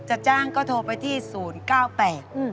จะจ้างก็โทรไปที่๐๙๘๑๗๑๙๙๐๓ค่ะ